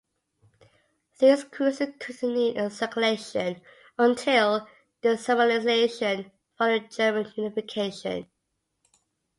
These Kreuzer continued in circulation until decimalization, following German unification.